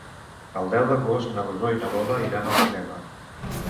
El deu d'agost na Rosó i na Lola iran al cinema.